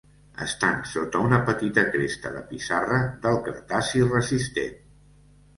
Estan sota una petita cresta de pissarra del Cretaci resistent.